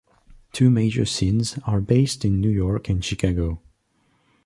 Two major scenes are based in New York and Chicago.